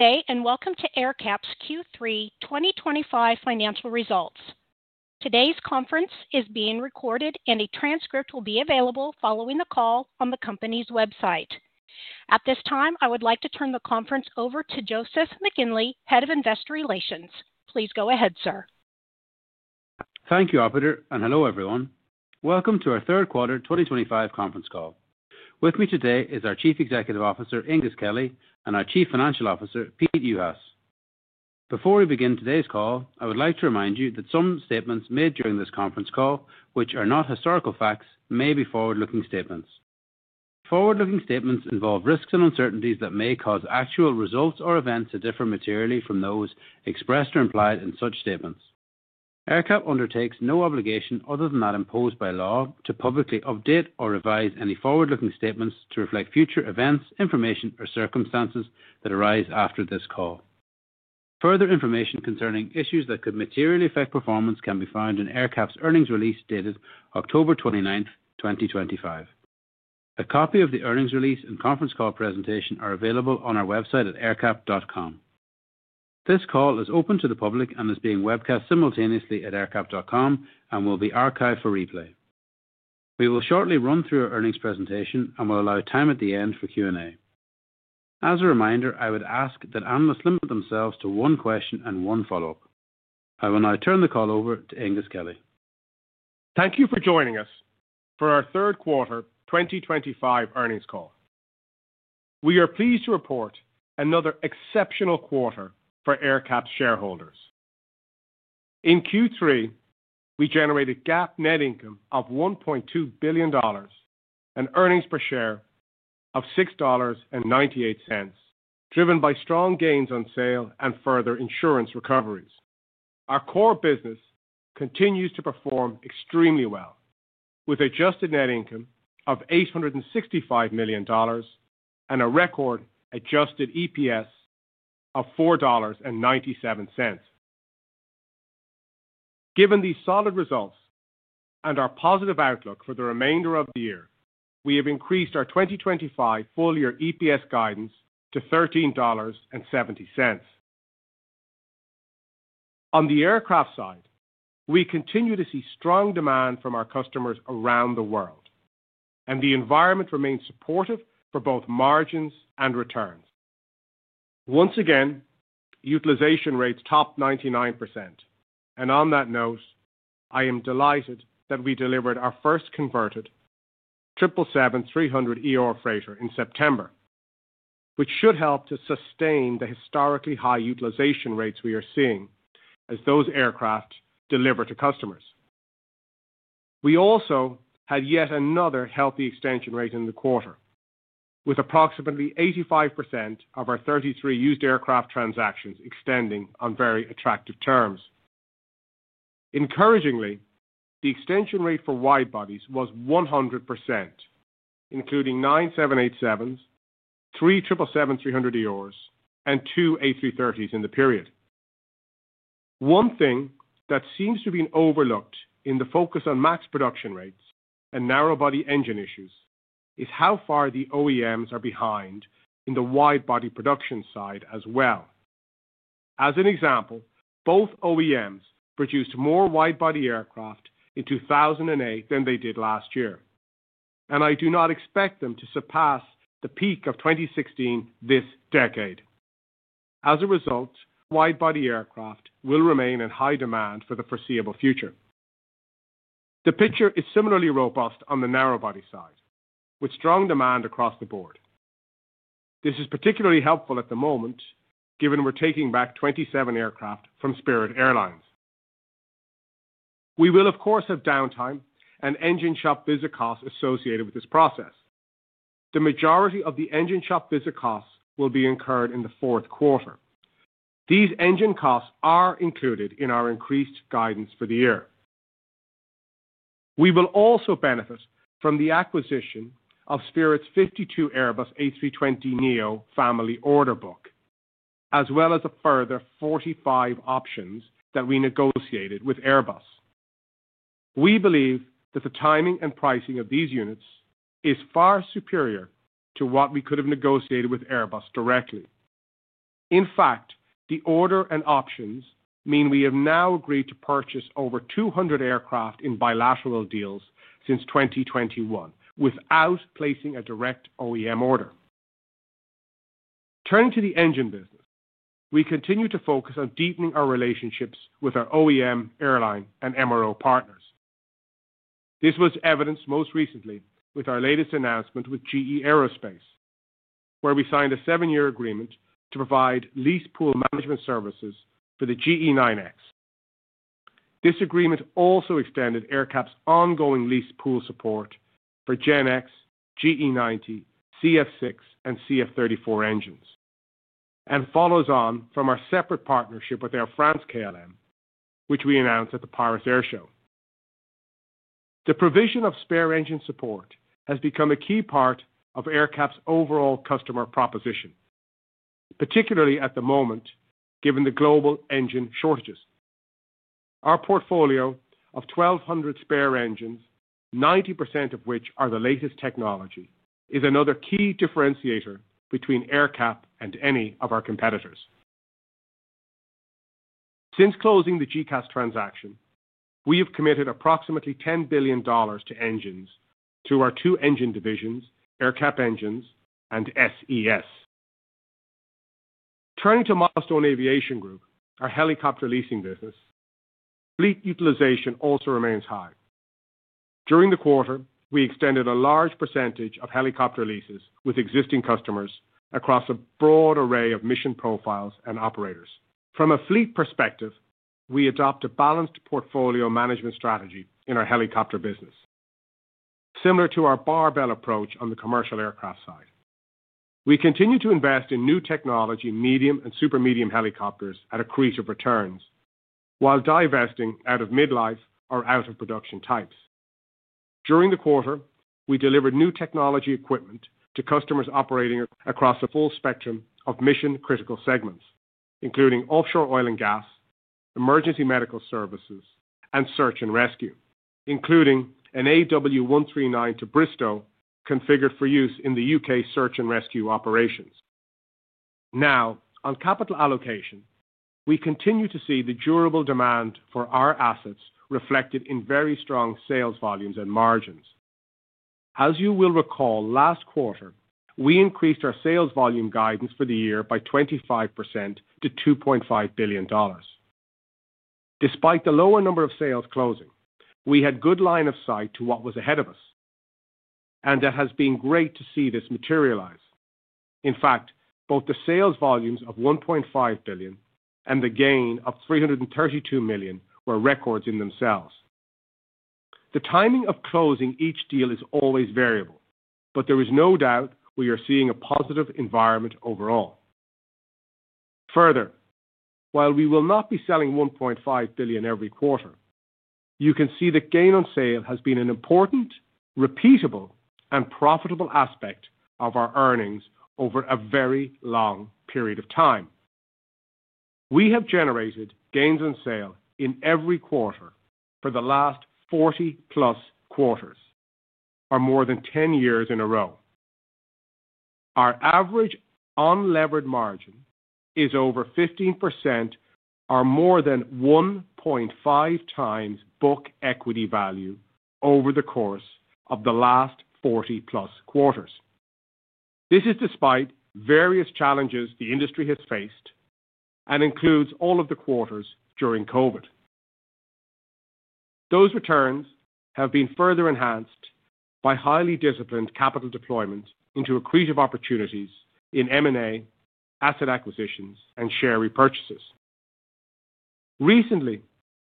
Hey and welcome to AerCap's Q3 2025 financial results. Today's conference is being recorded, and a transcript will be available following the call on the company's website. At this time, I would like to turn the conference over to Joseph McGinley, Head of Investor Relations. Please go ahead, sir. Thank you, Operator, and hello everyone. Welcome to our third quarter 2025 conference call. With me today is our Chief Executive Officer Aengus Kelly and our Chief Financial Officer Pete Juhas. Before we begin today's call, I would like to remind you that some statements made during this conference call, which are not historical facts, may be forward-looking statements. Forward-looking statements involve risks and uncertainties that may cause actual results or events to differ materially from those expressed or implied in such statements. AerCap undertakes no obligation other than that imposed by law to publicly update or revise any forward-looking statements to reflect future events, information, or circumstances such as that arise after this call. Further information concerning issues that could materially affect performance can be found in AerCap's earnings release dated October 29th, 2025. A copy of the earnings release and conference call presentation are available on our website at aercap.com. This call is open to the public and is being webcast simultaneously at aercap.com and will be archived for replay. We will shortly run through our earnings presentation and will allow time at the end for Q&A. As a reminder, I would ask that analysts limit themselves to one question and one follow-up. I will now turn the call over to Aengus Kelly. Thank you for joining us for our third quarter 2025 earnings call. We are pleased to report another exceptional quarter for AerCap shareholders. In Q3 we generated GAAP net income of $1.2 billion and earnings per share of $6.98, driven by strong gains on sale and further insurance recoveries. Our core business continues to perform extremely well with adjusted net income of $865 million and a record adjusted EPS of $4.97. Given these solid results and our positive outlook for the remainder of the year, we have increased our 2025 full year EPS guidance to $13.70. On the aircraft side, we continue to see strong demand from our customers around the world and the environment remains supportive for both margins and returns. Once again, utilization rates topped 99%. I am delighted that we delivered our first converted Boeing 777-300ER freighter in September, which should help to sustain the historically high utilization rates we are seeing as those aircraft deliver to customers. We also had yet another healthy extension rate in the quarter, with approximately 85% of our 33 used aircraft transactions extending on very attractive terms. Encouragingly, the extension rate for widebodies was 100%, including nine 787s, three 777-300ERs, and two A330s in the period. One thing that seems to be overlooked in the focus on MAX production rates and narrowbody engine issues is how far the OEMs are behind in the widebody production side as well. As an example, both OEMs produced more widebody aircraft in 2008 than they did last year, and I do not expect them to surpass the peak of 2016 this decade. As a result, widebody aircraft will remain in high demand for the foreseeable future. The picture is similarly robust on the narrowbody side with strong demand across the board. This is particularly helpful at the moment, given we're taking back 27 aircraft from Spirit Airlines. We will of course have downtime and engine shop visit costs associated with this process. The majority of the engine shop visit costs will be incurred in the fourth quarter. These engine costs are included in our increased guidance for the year. We will also benefit from the acquisition of Spirit's 52 Airbus A320neo family order book as well as a further 45 options that we negotiated with Airbus. We believe that the timing and pricing of these units is far superior to what we could have negotiated with Airbus directly. In fact, the order and options mean we have now agreed to purchase over 200 aircraft in bilateral deals since 2021 without placing a direct OEM order. Turning to the engine business, we continue to focus on deepening our relationships with our OEM, airline, and MRO partners. This was evidenced most recently with our latest announcement with GE Aerospace, where we signed a seven-year agreement to provide lease pool management services for the GE9X. This agreement also extended AerCap's ongoing lease pool support for GEnx, GE90, CF6, and CF34 engines and follows on from our separate partnership with Air France KLM, which we announced at the Paris Airshow. The provision of spare engine support has become a key part of AerCap's overall customer proposition, particularly at the moment given the global engine shortages. Our portfolio of 1,200 spare engines, 90% of which are the latest technology, is another key differentiator between AerCap and any of our competitors. Since closing the GECAS transaction, we have committed approximately $10 billion to engines through our two engine divisions, AerCap Engines and SES. Turning to Milestone Aviation Group, our helicopter leasing business, fleet utilization also remains high. During the quarter, we extended a large percentage of helicopter leases with existing customers across a broad array of mission profiles and operators. From a fleet perspective, we adopt a balanced portfolio management strategy in our helicopter business, similar to our barbell approach. On the commercial aircraft side, we continue to invest in new technology medium and super medium helicopters at accretive returns while divesting out of midlife or out-of-production types. During the quarter, we delivered new technology equipment to customers operating across a full spectrum of mission-critical segments, including offshore oil and gas, emergency medical services, and search and rescue, including an AW139 to Bristow configured for use in the U.K. search and rescue operations. Now, on capital allocation, we continue to see the durable demand for our assets reflected in very strong sales volumes and margins. As you will recall, last quarter we increased our sales volume guidance for the year by 25% to $2.5 billion. Despite the lower number of sales closing, we had good line of sight to what was ahead of us, and it has been great to see this materialize. In fact, both the sales volumes of $1.5 billion and the gain of $332 million were records in themselves. The timing of closing each deal is always variable, but there is no doubt we are seeing a positive environment overall. Further, while we will not be selling $1.5 billion every quarter, you can see that gain on sale has been an important, repeatable, and profitable aspect of our earnings over a very long period of time. We have generated gains on sale in every quarter for the last 40+ quarters, or more than 10 years in a row. Our average unlevered margin is over 15% or more than 1.5x book equity value over the course of the last 40+ quarters. This is despite various challenges the industry has faced and includes all of the quarters during COVID. Those returns have been further enhanced by highly disciplined capital deployment into accretive opportunities in material asset acquisitions and share repurchases. Recently,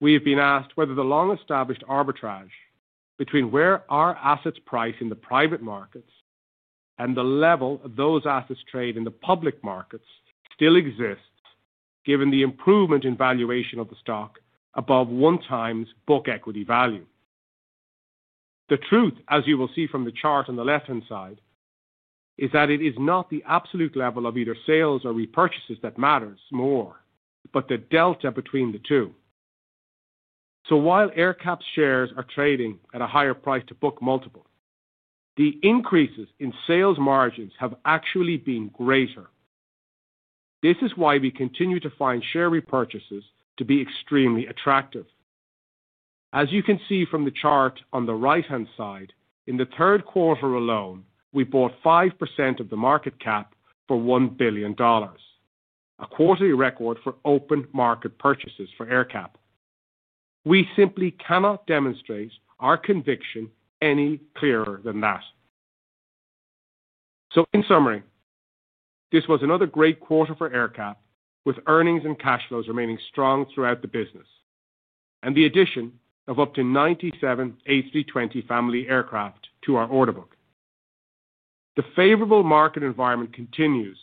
we have been asked whether the long-established arbitrage between where our assets price in the private markets and the level those assets trade in the public markets still exists given the improvement in valuation of the stock above 1x book equity value. The truth, as you will see from the chart on the left hand side, is that it is not the absolute level of either sales or repurchases that matters more, but the delta between the two. While AerCap's shares are trading at a higher price to book multiple, the increases in sales margins have actually been greater. This is why we continue to find share repurchases to be extremely attractive. As you can see from the chart on the right hand side, in the third quarter alone we bought 5% of the market cap for $1 billion, a quarterly record for open market purchases for AerCap. We simply cannot demonstrate our conviction any clearer than that. In summary, this was another great quarter for AerCap. With earnings and cash flows remaining strong throughout the business and the addition of up to 97 A320 family aircraft to our order book, the favorable market environment continues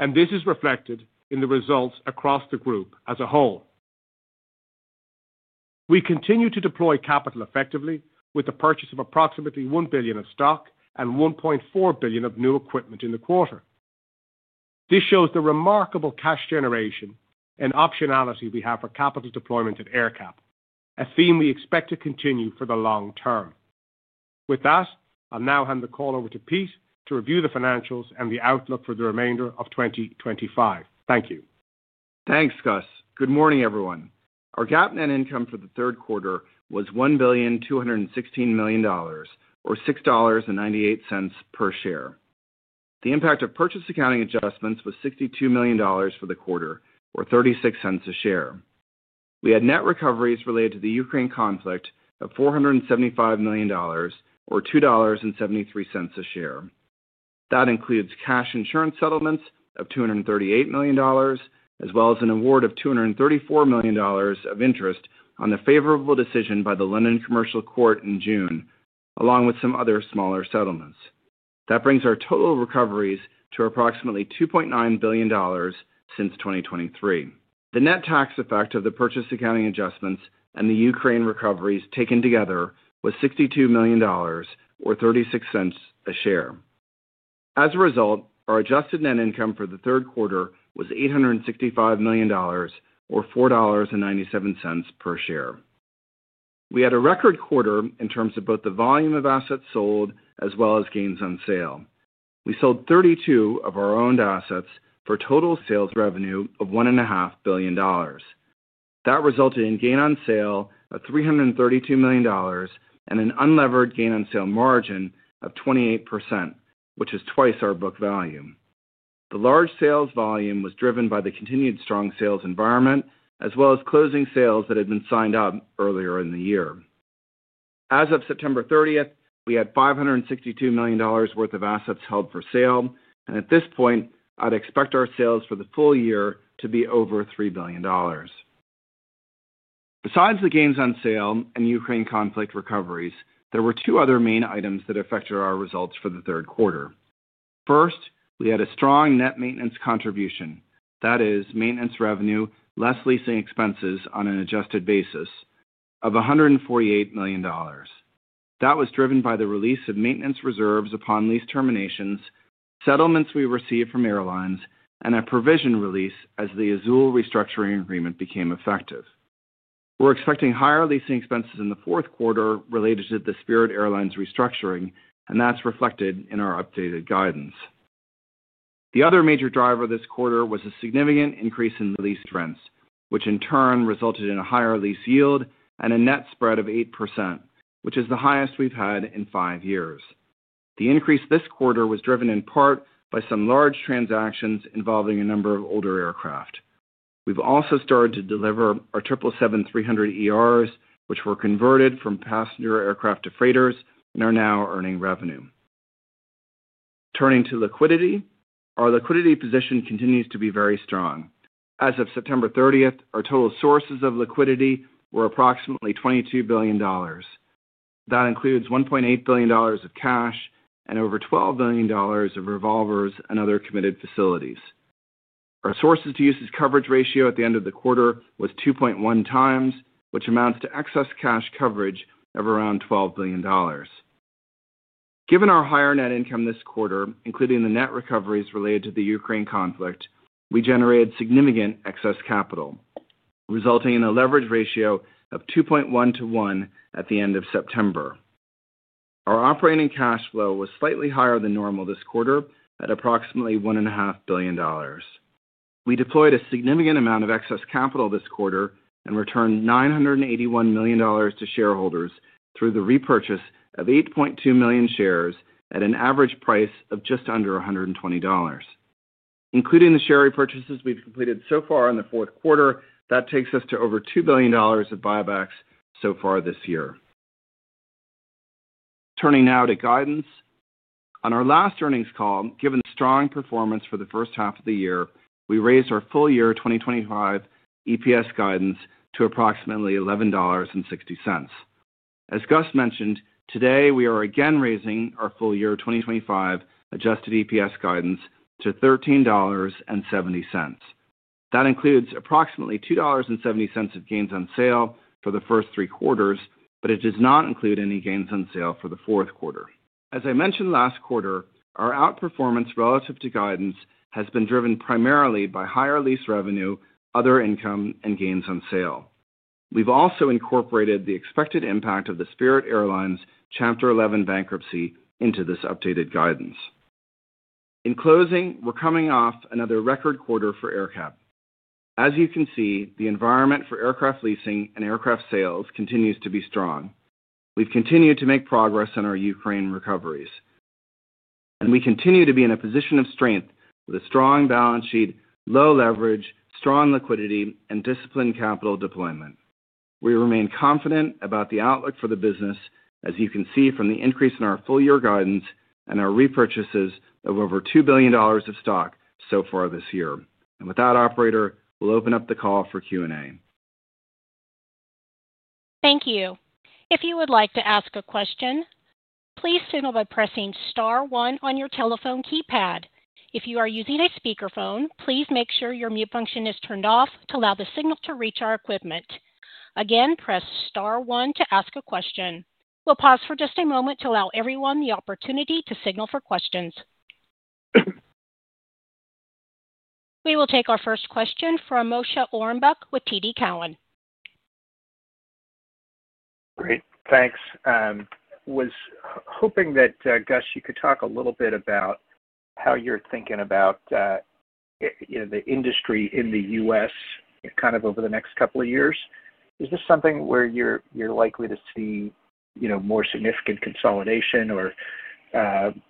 and this is reflected in the results across the group as a whole. We continue to deploy capital effectively with the purchase of approximately $1 billion of stock and $1.4 billion of new equipment in the quarter. This shows the remarkable cash generation and optionality we have for capital deployment at AerCap, a theme we expect to continue for the long term. With that, I'll now hand the call over to Pete to review the financials and the outlook for the remainder of 2025. Thank you. Thanks, Gus. Good morning, everyone. Our GAAP net income for the third quarter was $1.216 billion or $6.98 per share. The impact of purchase accounting adjustments was $62 million for the quarter, or $0.36 a share. We had net recoveries related to the Ukraine conflict of $475 million or $2.73 a share. That includes cash insurance settlements of $238 million as well as an award of $234 million of interest on the favorable decision by the London Commercial Court in June, along with some other smaller settlements. That brings our total recoveries to approximately $2.9 billion since 2023. The net tax effect of the purchase accounting adjustments and the Ukraine recoveries taken together was $62 million or $0.36 a share. As a result, our adjusted net income for the third quarter was $865 million or $4.97 per share. We had a record quarter in terms of both the volume of assets sold as well as gains on sale. We sold 32 of our owned assets for total sales revenue of $1.5 billion. That resulted in gain on sale of $332 million and an unlevered gain on sale margin of 28%, which is twice our book value. The large sales volume was driven by the continued strong sales environment as well as closing sales that had been signed up earlier in the year. As of September 30th, we had $562 million worth of assets held for sale, and at this point I'd expect our sales for the full year to be over $3 billion. Besides the gains on sale and Ukraine conflict recoveries, there were 2 other main items that affected our results for the third quarter. First, we had a strong net maintenance contribution, that is maintenance revenue, less leasing expenses on an adjusted basis of $148 million. That was driven by the release of maintenance reserves upon lease terminations, settlements we received from airlines and a provision release as the Azul restructuring agreement became effective. We're expecting higher leasing expenses in the fourth quarter related to the Spirit Airlines restructuring, and that's reflected in our updated guidance. The other major driver this quarter was a significant increase in lease rents, which in turn resulted in a higher lease yield and a net spread of 8%, which is the highest we've had in five years. The increase this quarter was driven in part by some large transactions involving a number of older aircraft. We've also started to deliver our 777-300ERs, which were converted from passenger aircraft to freighters and are now earning revenue. Turning to liquidity, our liquidity position continues to be very strong. As of September 30, our total sources of liquidity were approximately $22 billion. That includes $1.8 billion of cash and over $12 billion of revolvers and other committed facilities. Our sources to uses coverage ratio at the end of the quarter was 2.1x, which amounts to excess cash coverage of around $12 billion. Given our higher net income this quarter, including the net recoveries related to the Ukraine conflict, we generated significant excess capital, resulting in a leverage ratio of 2.1 to 1. At the end of September, our operating cash flow was slightly higher than normal this quarter at approximately $1.5 billion. We deployed a significant amount of excess capital this quarter and returned $981 million to shareholders through the repurchase of 8.2 million shares at a price of just under $120 including the share repurchases we've completed. Far in the fourth quarter, that takes us to over $2 billion of buybacks so far this year. Turning now to guidance on our last earnings call. Given strong performance for the first half of the year, we raised our full year 2025 EPS guidance to approximately $11.60. As Gus mentioned today, we are again raising our full year 2025 adjusted EPS guidance to $13.70. That includes approximately $2.70 of gains on sale for the first three quarters, but it does not include any gains on sale for the fourth quarter. As I mentioned last quarter, our outperformance relative to guidance has been driven primarily by higher lease revenue, other income, and gains on sale. We've also incorporated the expected impact of the Spirit Airlines Chapter 11 bankruptcy into this updated guidance. In closing, we're coming off another record quarter for AerCap. As you can see, the environment for aircraft leasing and aircraft sales continues to be strong. We've continued to make progress in our Ukraine recoveries, and we continue to be in a position of strength with a strong balance sheet, low leverage, strong liquidity, and disciplined capital deployment. We remain confident about the outlook for the business, as you can see from the increase in our full year guidance and our repurchases of over $2 billion of stock so far this year. With that, operator, we'll open up the call for Q&A. Thank you. If you would like to ask a question, please signal by pressing star one on your telephone keypad. If you are using a speakerphone, please make sure your mute function is turned off to allow the signal to reach our equipment. Again, press star one to ask a question. We'll pause for just a moment to allow everyone the opportunity to signal for questions. We will take our first question from Moshe Orenbuch with TD Cowen. Great, thanks. Was hoping that, Gus, you could talk a little bit about how you're thinking about the industry in the U.S. kind of over the next couple of years. Is this something where you're likely to see more significant consolidation or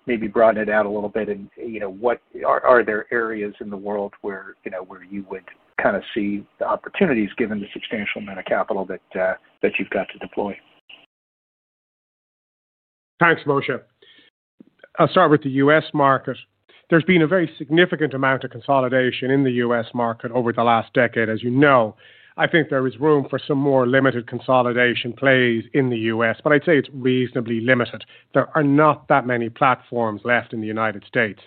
maybe broaden it out a little bit? Are there areas in the world where you would see the opportunities given the substantial amount of capital that you've got to deploy? Thanks, Moshe. I'll start with the U.S. market. There's been a very significant amount of consolidation in the U.S. market over the last decade. As you know, I think there is room for some more limited consolidation played in the U.S., but I'd say it's reasonably limited. There are not that many platforms left in the United States,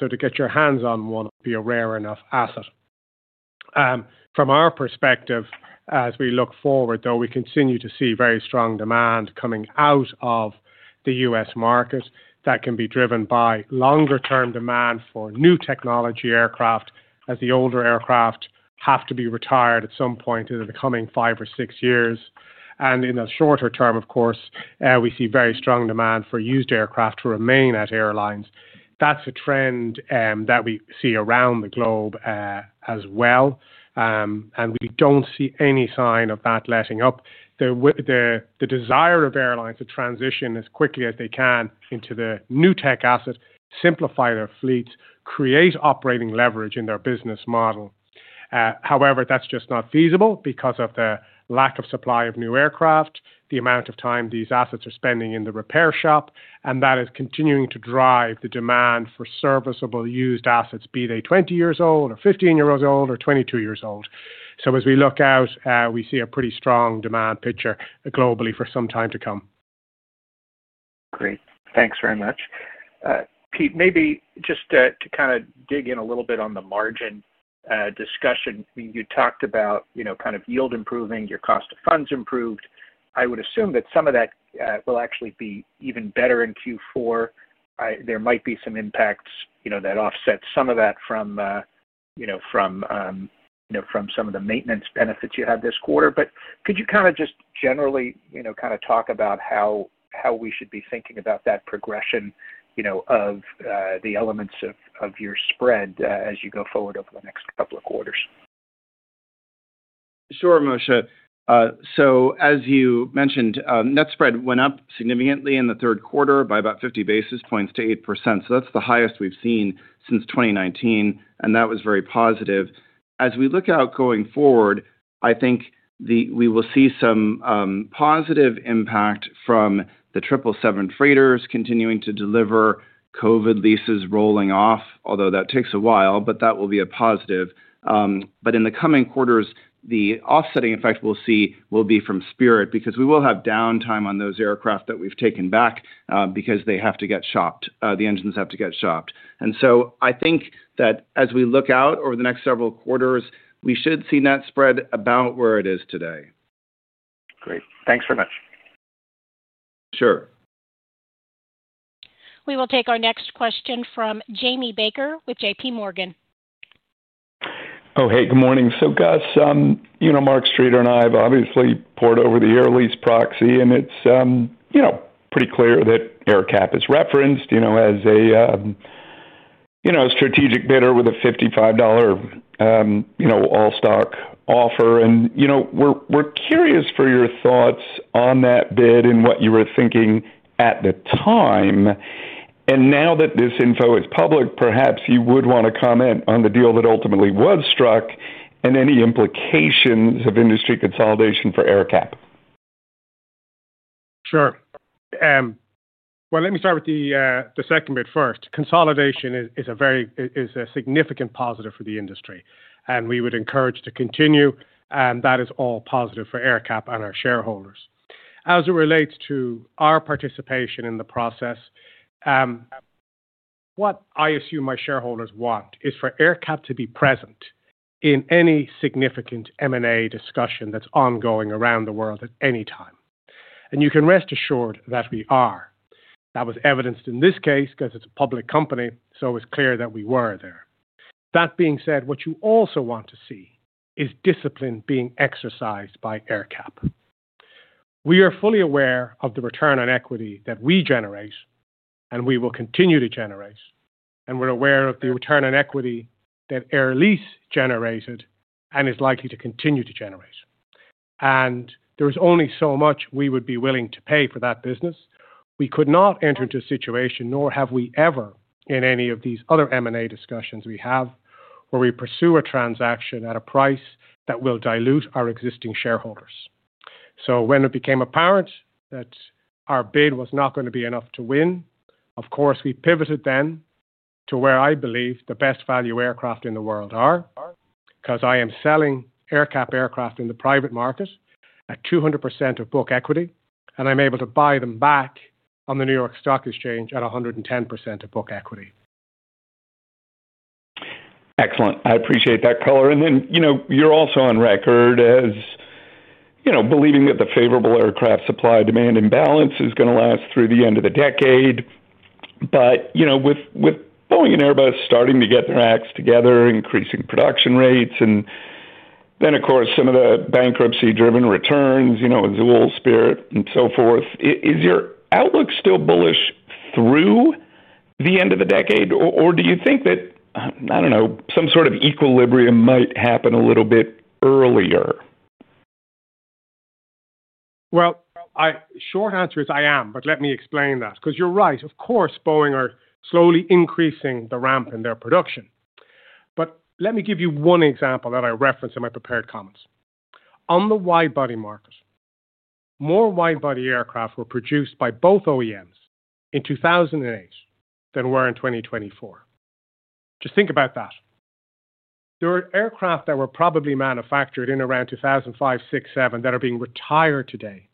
so to get your hands on one would be a rare enough asset from our perspective. As we look forward, we continue to see very strong demand coming out of the U.S. market that can be driven by longer term demand for new technology aircraft as the older aircraft have to be retired at some point in the coming five or six years. In the shorter term, of course, we see very strong demand for used aircraft to remain at airlines. That's a trend that we see around the globe as well, and we don't see any sign of that letting up, the desire of airlines to transition as quickly as they can into the new tech asset, simplify their fleets, create operating leverage in their business model. However, that's just not feasible because of the lack of supply of new aircraft, the amount of time these assets are spending in the repair shop, and that is continuing to drive the demand for serviceable used assets, be they 20 years old or 15 years old or 22 years old. As we look out, we see a pretty strong demand picture globally for some time to come. Great, thanks very much, Pete. Maybe just to kind of dig in a little bit on the margin discussion. You talked about kind of yield improving, your cost of funds improved. I would assume that some of that will actually be even better in Q4. There might be some impacts that offset some of that from some of the maintenance benefits you had this quarter. Could you just generally kind of talk about how we should be thinking about that progression, you know, of the elements of your spread as you go forward over the next couple of quarters? Sure, Moshe. As you mentioned, net spread went up significantly in the third quarter by about 50 basis points to 8%. That's the highest we've seen since 2019, and that was very positive. As we look out going forward, I think we will see some positive impact from the Boeing 777-300ER freighters continuing to deliver, Covid leases rolling off, although that takes a while, but that will be a positive. In the coming quarters, the offsetting effect we'll see will be from Spirit Airlines because we will have downtime on those aircraft that we've taken back because they have to get shopped, the engines have to get shopped. I think that as we look out over the next several quarters, we should see net spread about where it is today. Great, thanks very much. Sure. We will take our next question from Jamie Baker with J.P. Morgan. Oh, hey, good morning. Gus, you know, Mark Streeter and I have obviously poured over the Air Lease proxy and it's pretty clear that AerCap is referenced as a strategic bidder with a $55 all stock offer. We're curious for your thoughts on that bid and what you were thinking at the time. Now that this info is public, perhaps you would want to comment on the deal that ultimately was struck and any implications of industry consolidation for AerCap. Sure. Let me start with the second bit first. Consolidation is a significant positive for the industry, and we would encourage it to continue. That is all positive for AerCap and our shareholders as it relates to our participation in the process. What I assume my shareholders want is for AerCap to be present in any significant M&A discussion that's ongoing around the world at any time. You can rest assured that we are. That was evidenced in this case because. It's a public company. It is clear that we were there. That being said, what you also want to see is discipline being exercised by AerCap. We are fully aware of the return on equity that we generate and we will continue to generate. We're aware of the return on equity that Air Lease generated and is likely to continue to generate. There is only so much we would be willing to pay for that business. We could not enter into a situation, nor have we ever in any of these other M&A discussions we have, where we pursue a transaction at a price that will dilute our existing shareholders. When it became apparent that our bid was not going to be enough. To win, of course, we pivoted then. To where I believe the best value aircraft in the world are, because I am selling AerCap aircraft in the private market at 200% of book equity, and I'm able to buy them back on the New York Stock Exchange at 110% of book equity. Excellent. I appreciate that color. You know, you're also on record as believing that the favorable aircraft supply demand imbalance is going to last through the end of the decade. With Boeing and Airbus starting to get their acts together, increasing production rates, and then of course some of the bankruptcy driven returns, you know, the old Spirit and so forth, is your outlook still bullish through the end of the decade or do you think that, I don't know, some sort of equilibrium might happen a little bit earlier? I am, but let me explain that because you're right. Of course, Boeing are slowly increasing the ramp in their production. Let me give you one example that I referenced in my prepared comments on the widebody market. More widebody aircraft were produced by both OEMs in 2008 than were in 2024. Just think about that. There are aircraft that were probably manufactured in around 2005, 2006, 2007 that are being retired today,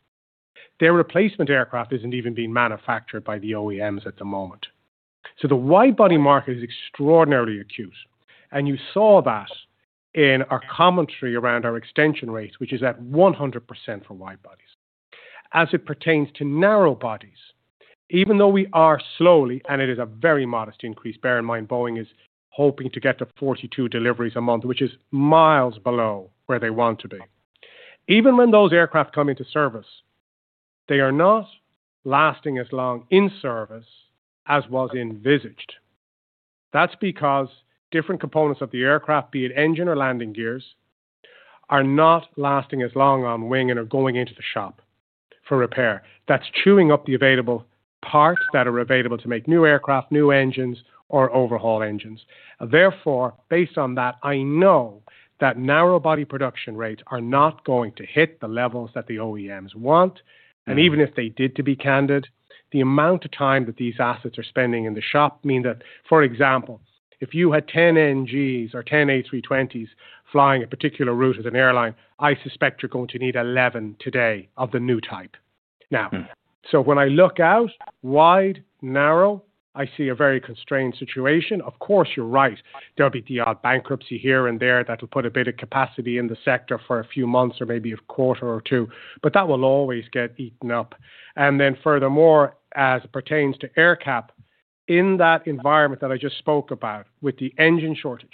their replacement aircraft isn't even being manufactured by the OEMs at the moment. The widebody market is extraordinarily acute. You saw that in our commentary around our extension rate, which is at 100% for widebodies as it pertains to narrowbodies. Even though we are slowly and it is a very modest increase, bear in mind Boeing is hoping to get to 42 deliveries a month, which is miles below where they want to be. Even when those aircraft come into service, they are not lasting as long in service as was envisaged. That's because different components of the aircraft, be it engine or landing gears, are not lasting as long on wing and are going into the shop for repair. That's chewing up the available parts that are available to make new aircraft, new engines or overhaul engines. Therefore, based on that, I know that narrow body production rates are not going to hit the levels that the OEMs want. Even if they did, to be candid, the amount of time that these assets are spending in the shop mean that, for example, if you had 10 NGs or 10 A320s flying a particular route as an airline, I suspect you're going to need 11 today of the new type now. When I look out wide, narrow I see a very constrained situation. Of course, you're right. There'll be the odd bankruptcy here and there that will put a bit of capacity in the sector for a few months or maybe a quarter or two, but that will always get eaten up. Furthermore, as it pertains to AerCap, in that environment that I just spoke about, with the engine shortage,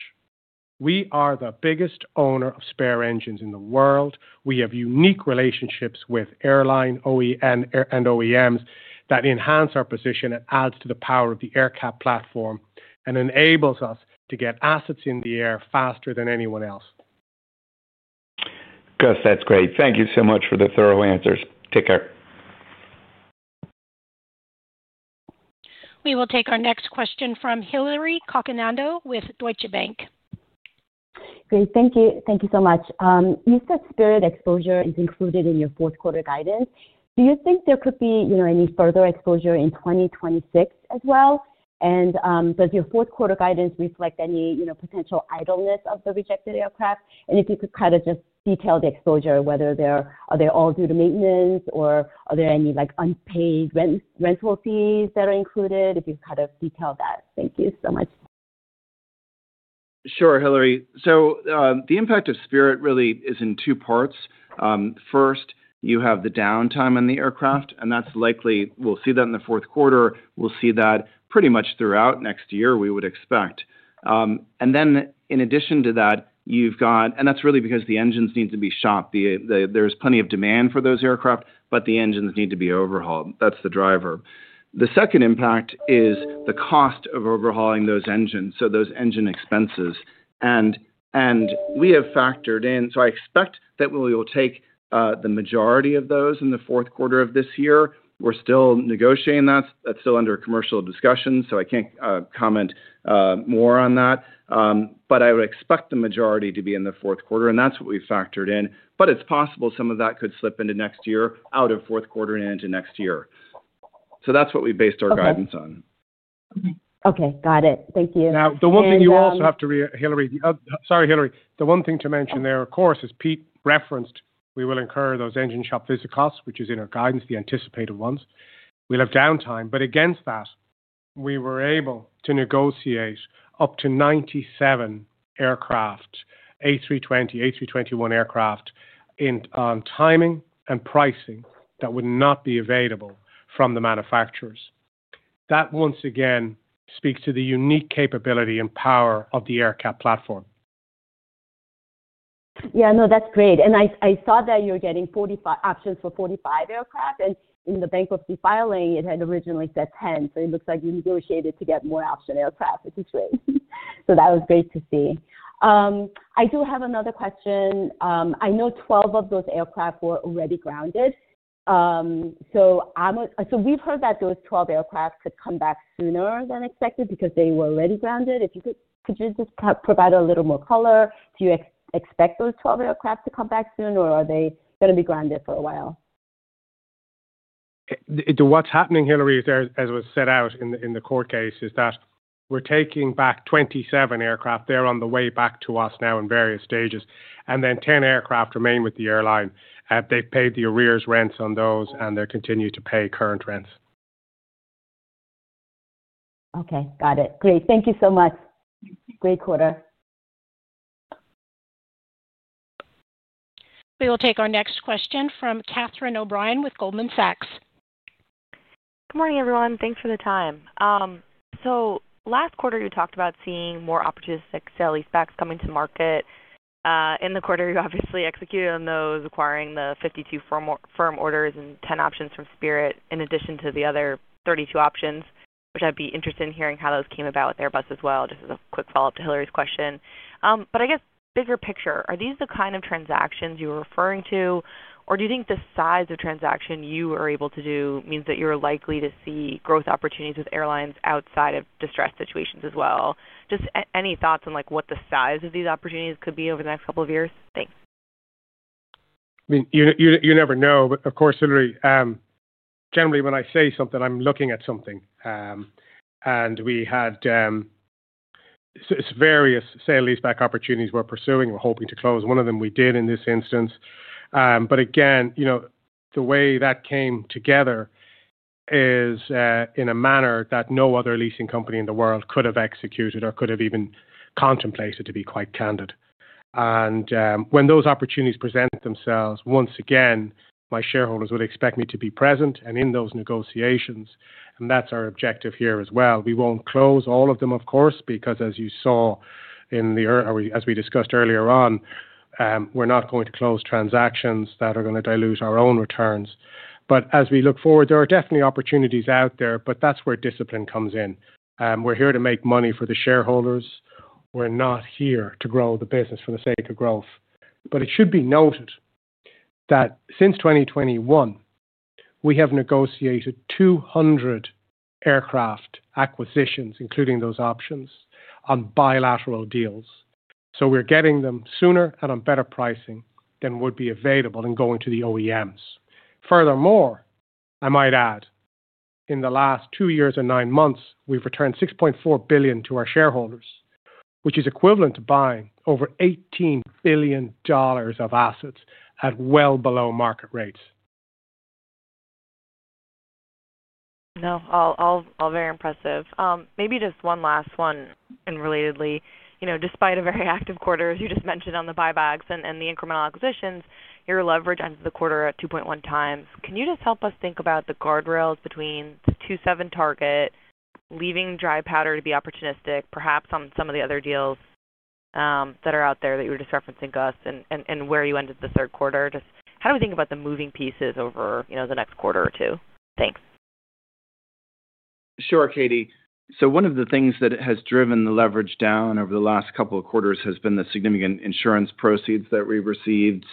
we are the biggest owner of spare engines in the world. We have unique relationships with airline and OEMs that enhance our position. It adds to the power of the AerCap platform and enables us to get assets in the air faster than anyone else. Gus, that's great. Thank you so much for the thorough answers. Take care. We will take our next question from Hillary Cacanando with Deutsche Bank. Great, thank you. Thank you so much. You said Spirit exposure is included in your fourth quarter guidance. Do you think there could be any further exposure in 2026 as well? Does your fourth quarter guidance reflect any potential idleness of the rejected aircraft? If you could just detail the exposure, whether they're all due to maintenance or are there any, like, unpaid rental fees that are included? If you could detail that. Thank you so much. Sure, Hilary. The impact of Spirit really is in two parts. First, you have the downtime on the aircraft, and that's likely. We'll see that in the fourth quarter. We'll see that pretty much throughout next year, we would expect. In addition to that, you've got, and that's really because the engines need to be shopped. There's plenty of demand for those aircraft, but the engines need to be overhauled. That's the driver. The second impact is the cost of overhauling those engines, so those engine expenses. We have factored in, so I expect that we will take the majority of those in the fourth quarter of this year. We're still negotiating that. That's still under commercial discussion, so I can't comment more on that. I would expect the majority to be in the fourth quarter, and that's what we factored in. It's possible some of that could slip into next year, out of fourth quarter and into next year. That's what we based our guidance on. Okay, got it. Thank you. Now, the one thing you also have to, Hillary. Sorry, Hilary. The one thing to mention there, of course, as Pete referenced, we will incur those engine shop visit costs, which is in our guidance, the anticipated ones, we'll have downtime. We were able to negotiate up to 97 aircraft, A320, A321 Aircraft in timing and pricing that would not be available from the manufacturers. That once again speaks to the unique capability and power of the AerCap platform. Yeah, that's great. I saw that you're getting options for 45 aircraft. In the bankruptcy filing, it had originally said 10. It looks like you negotiated to get more option aircraft, which was great to see. I do have another question. I know 12 of those aircraft were already grounded. We've heard that those 12 aircraft could come back sooner than expected because they were already grounded. If you could, just provide a little more color. Do you expect those 12 aircraft to come back soon, or are they going to be grounded for a while? What's happening, Hilary, is there, as was set out in the court case, is that taking back 27 aircraft? They're on the way back to us now in various stages. Ten aircraft remain with the airline. They've paid the arrears rents on those and they continue to pay current rents. Okay, got it. Great. Thank you so much. Great quarter. We will take our next question from Catherine O'Brien with Goldman Sachs. Good morning everyone. Thanks for the time. Last quarter you talked about seeing more opportunistic sale-leasebacks coming to market. In the quarter, you obviously executed on those, acquiring the 52 firm orders and 10 options from Spirit in addition to the other 32 options, which I'd be interested in hearing how those came about with Airbus as well. Just as a quick follow-up to Hilary's question, I guess bigger picture, are these the kind of transactions you are referring to or do you think the size of transaction you are able to do means that you are likely to see growth opportunities with airlines outside of distress situations as well? Any thoughts on what the size of these opportunities could be over the next couple of years? Thanks. You never know. Of course, Hilary, generally when I say something, I'm looking at something. We had various sale-leaseback opportunities we're pursuing. We're hoping to close one of them. We did in this instance. The way that came together is in a manner that no other leasing company in the world could have executed or could have even contemplated, to be quite candid. When those opportunities present themselves once again, my shareholders would expect me to be present in those negotiations. That's our objective here as well. We won't close all of them of course, because as you saw in the, as we discussed earlier on, we're not going to close transactions that are going to dilute our own returns. As we look forward, there are definitely opportunities out there. That's where discipline comes in. We're here to make money for the shareholders. We're not here to grow the business for the sake of growth. It should be noted that since 2021, we have negotiated 200 aircraft acquisitions, including those options on bilateral deals. We're getting them sooner and on better pricing than would be available in going to the OEMs. Furthermore, I might add, in the last two years and nine months, we've returned $6.4 billion to our shareholders, which is equivalent to buying over $18 billion of assets at well below market rates. All very impressive. Maybe just one last one. Relatedly, despite a very active quarter, as you just mentioned on the buybacks and the incremental acquisitions, your leverage ends the quarter at 2.1x. Can you just help us think about the guardrails between the 2.7% target, leaving dry powder to be opportunistic, perhaps on some of the other deals that are out there that you were just referencing, Gus, and where you ended the third quarter? Just how do we think about the moving pieces over the next quarter or two? Thanks. Sure, Katie. One of the things that has driven the leverage down over the last couple of quarters has been the significant insurance proceeds that we received.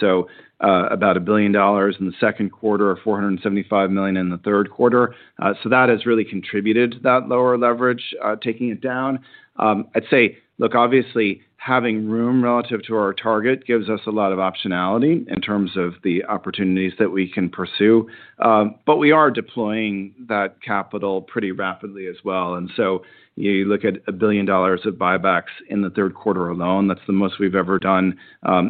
About $1 billion in the second quarter or $475 million in the third quarter has really contributed to that lower leverage, taking it down, I'd say. Obviously, having room relative to our target gives us a lot of optionality in terms of the opportunities that we can pursue. We are deploying that capital pretty rapidly as well. You look at $1 billion of buybacks in the third quarter alone, that's the most we've ever done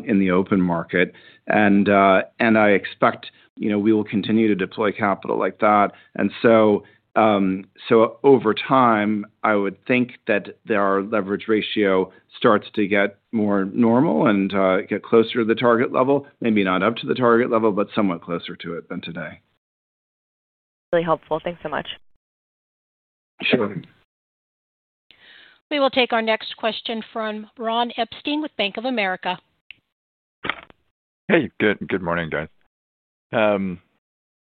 in the open market. I expect we will continue to deploy capital like that. Over time, I would think that our leverage ratio starts to get more normal and get closer to the target level, maybe not up to the target level, but somewhat closer to it than today. Really helpful. Thanks so much. Sure. We will take our next question from Ron Epstein with Bank of America. Hey, good morning, guys.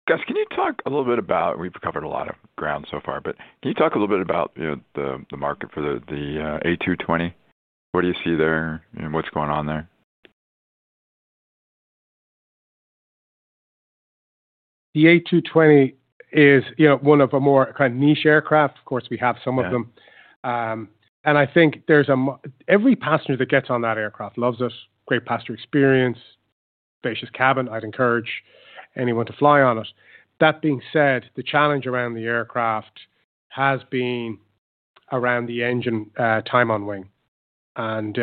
Gus, can you talk a little bit about, we've covered a lot of ground so far, but can you talk a little bit about the market for the A220? What do you see there and what's going there? The A220 is one of a more kind of niche aircraft. Of course, we have some of them, and I think there's a. Every passenger that gets on that aircraft loves us. Great pass-through experience, spacious cabin. I'd encourage anyone to fly on it. That being said, the challenge around the aircraft has been around the engine time on wing, and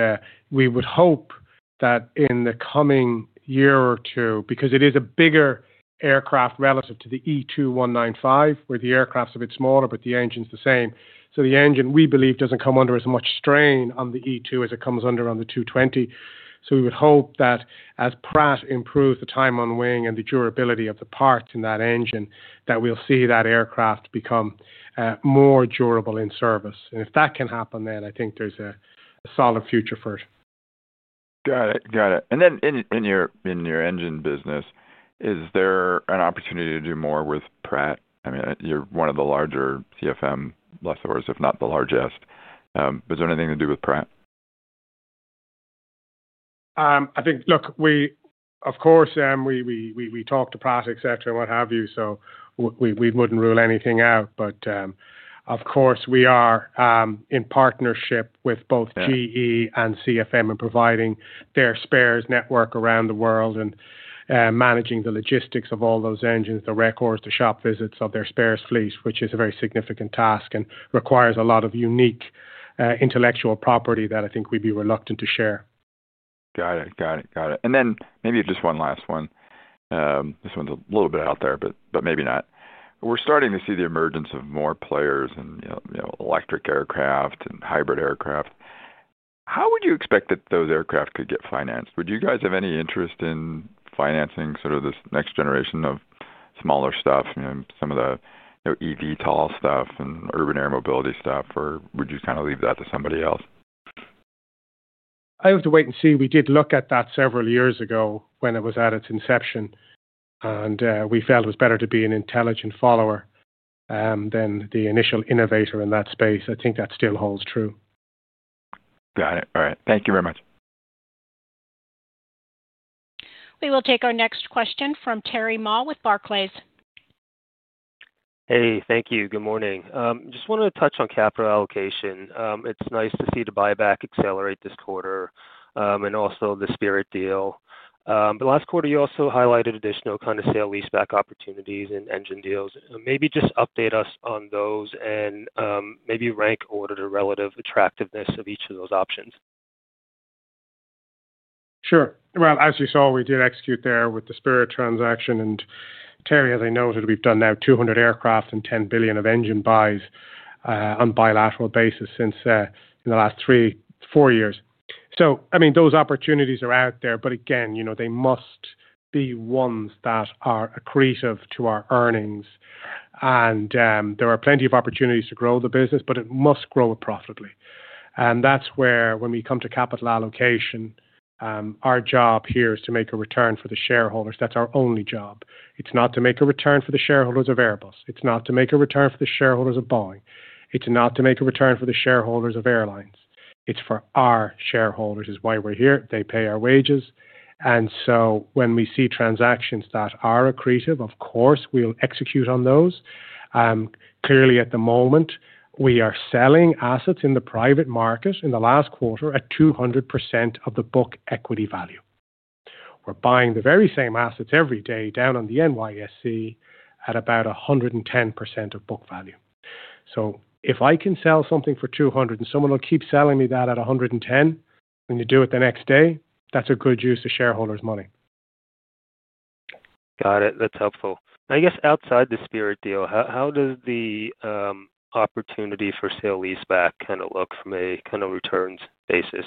we would hope that in the coming year or two, because it is a bigger aircraft relative to the E2 195, where the aircraft's a bit smaller, but the engine's the same. The engine, we believe, doesn't come under as much strain on the E2 as it comes under on the 220. We would hope that as Pratt improves the time on wing and the durability of the part in that engine, we'll see that aircraft become more durable in service. If that can happen, then I think there's a solid future for it. Got it. In your engine business, is there an opportunity to do more with Pratt? I mean, you're one of the larger CFM lessors, if not the largest. Is there anything to do with Pratt? I think, look, we, of course, we talk to Pratt, etc. and what have you, so we wouldn't rule anything out. Of course, we are in partnership with both GE and CFM in providing their spares network around the world and managing the logistics of all those engines, the records, the shop visits of their spares fleet, which is a very significant task and requires a lot of unique intellectual property that I think we'd be reluctant to share. Got it. Maybe just one last one, this one's a little bit out there, but maybe not. We're starting to see the emergence of more players in electric aircraft and hybrid aircraft. How would you expect that those aircraft could get financed? Would you guys have any interest in financing sort of this next generation of smaller stuff, some of the EVTOL stuff and urban air mobility stuff, or would you kind of leave that to somebody else? I have to wait and see. We did look at that several years ago when it was at its inception, and we felt it was better to be an intelligent follower than the initial innovator in that space. I think that still holds true. Got it. All right, thank you very much. We will take our next question from Terry Ma with Barclays. Hey, thank you. Good morning. Just wanted to touch on capital allocation. It's nice to see the buyback accelerate this quarter and also the Spirit deal last quarter. You also highlighted additional kind of sale-leaseback opportunities and engine deals. Maybe just update us on those and maybe rank order to relative attractiveness of each of those options. Sure. As you saw, we did execute there with the Spirit transaction. Terry, as I noted, we've done now 200 aircraft, $10 billion of engine buys on a bilateral basis in the last three, four years. I mean, those opportunities are out there, but again, they must be ones that are accretive to our earnings. There are plenty of opportunities to grow the business, but it must grow it profitably. That's where, when we come to capital allocation, our job here is to make a return for the shareholders. That's our only job. It's not to make a return for the shareholders of Airbus, it's not to make a return for the shareholders of Boeing. It's not to make a return for the shareholders of airlines. It's for our shareholders, it's why we're here. They pay our wages. When we see transactions that are accretive, of course we'll execute on those. Clearly, at the moment we are selling assets in the private market in the last quarter at 200% of the book equity value. We're buying the very same assets every day down on the NYSE at about 110% of book value. If I can sell something for $200 and someone will keep selling me that at $110 when you do it the next day, that's a good use of shareholders' money. Got it. That's helpful, I guess. Outside the Spirit deal, how does the opportunity for sale-leaseback kind of look from a kind of returns basis?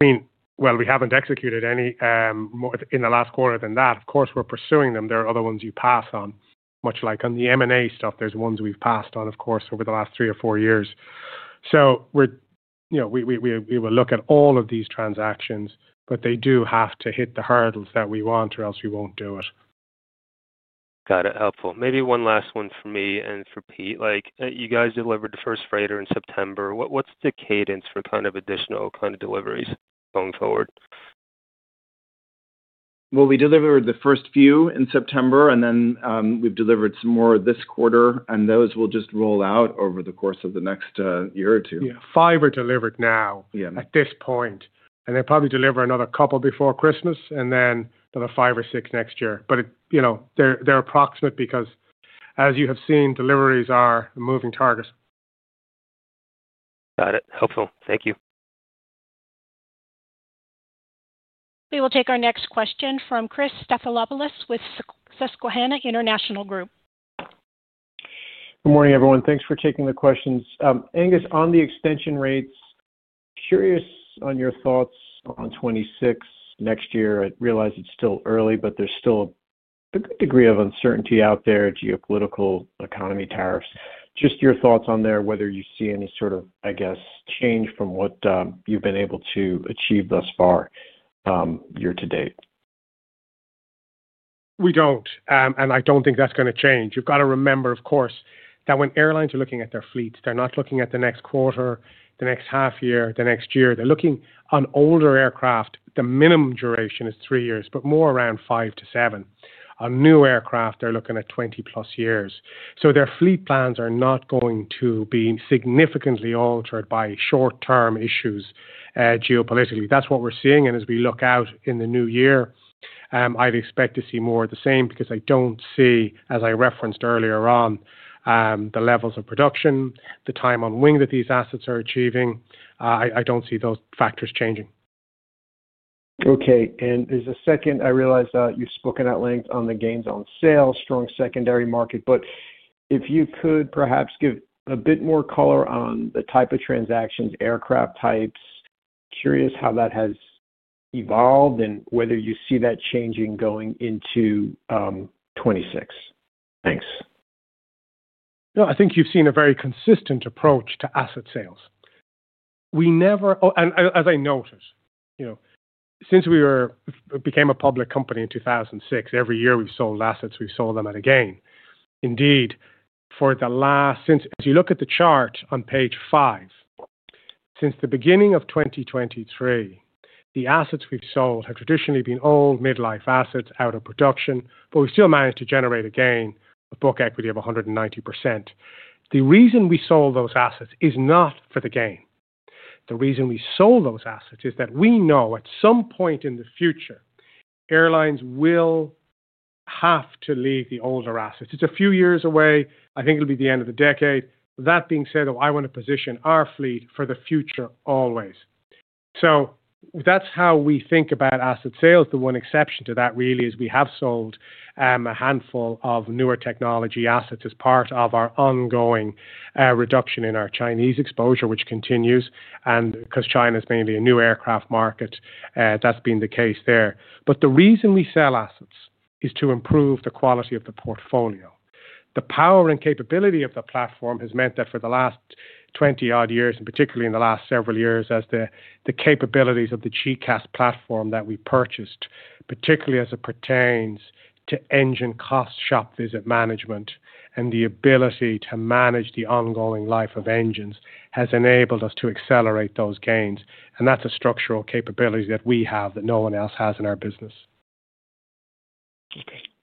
We haven't executed any more in the last quarter than that. Of course we're pursuing them. There are other ones you pass on, much like on the M&A stuff. There's ones we've passed on, of course over the last three or four years. We will look at all of these transactions, but they do have to hit the hurdles that we want or else we won't do it. Got it. Helpful. Maybe one last one for me and for Pete. You guys delivered the first freighter in September. What's the cadence for additional deliveries going forward? We delivered the first few in September, and then we've delivered some more this quarter. Those will just roll out over the course of the next year or two. Yeah, five are delivered now at this point, and they'll probably deliver another couple before Christmas, then another five or six next year. You know they're approximate because, as you have seen, deliveries are a moving target. Got it. Helpful. Thank you. We will take our next question from Chris Stathoulopoulos with Susquehanna International Group. Good morning, everyone. Thanks for taking the questions. Aengus, on the extension rates, curious on your thoughts on 2026 next year. I realize it's still early, but there's still a good degree of uncertainty out there. Geopolitical, economy, tariffs, just your thoughts on there. Whether you see any sort of, I guess, change from what you've been able to achieve thus far year to date? We don't and I don't think that's going to change. You've got to remember, of course, that when airlines are looking at their fleets, they're not looking at the next quarter, the next half year, the next year. They're looking on older aircraft, the minimum duration is three years, but more around five to seven. On new aircraft, they're looking at 20 plus years. Their fleet plans are not going to be significantly altered by short-term issues. Geopolitically, that's what we're seeing. As we look out in the new year, I'd expect to see more of the same because I don't see, as I referenced earlier, on the levels of production, the time on wing that these assets are achieving. I don't see those factors changing. Okay. As a second, I realized you've spoken at length on the gains on sales, strong secondary market. If you could perhaps give a bit more color on the type of transactions, aircraft types, curious how that has evolved and whether you see that changing going into 2026. Thanks. No, I think you've seen a very consistent approach to asset sales. We never, and as I noted, you know, since we became a public company in 2006, every year we've sold assets, we've sold them at a gain. Indeed, as you look at the chart on page five, since the beginning of 2023, the assets we've sold have traditionally been old midlife assets out of production. We still managed to generate a gain of book equity of 190%. The reason we sold those assets is not for the gain. The reason we sold those assets is that we know at some point in the future airlines will have to leave the older assets. It's a few years away. I think it'll be the end of the decade. That being said, I want to position our fleet for the future always. That's how we think about asset sales. The one exception to that really is we have sold a handful of newer technology assets as part of our ongoing reduction in our Chinese exposure, which continues. Because China is mainly a new aircraft market, that's been the case there. The reason we sell assets is to improve the quality of the portfolio. The power and capability of the platform has meant that for the last 20 odd years, and particularly in the last several years, as the capabilities of the GECAS platform that we purchased, particularly as it pertains to engine cost, shop visit management, and the ability to manage the ongoing life of engines, has enabled us to accelerate those gains, and that's a structural capability that we have that no one else has in our business.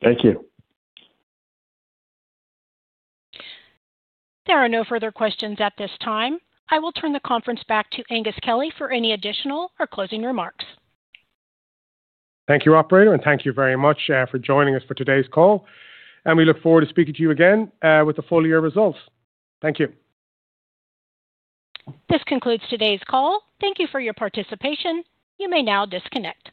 Thank you. There are no further questions at this time. I will turn the conference back to Aengus Kelly for any additional or closing remarks. Thank you, operator. Thank you very much for joining us for today's call. We look forward to speaking to you again with the full year results. Thank you. This concludes today's call. Thank you for your participation. You may now disconnect.